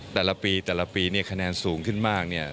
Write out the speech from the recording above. แต่ละปีนี่คะแนนสูงขึ้นมาก